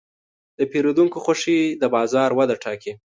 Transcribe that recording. د پیرودونکو خوښي د بازار وده ټاکي.